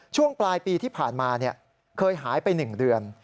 ช่วงปลายปีที่ผ่านมาเคยหายไป๑เดือน